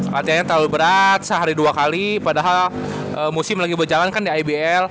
latihannya terlalu berat sehari dua kali padahal musim lagi berjalan kan di ibl